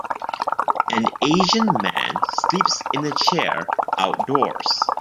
An Asian man sleeps in a chair outdoors.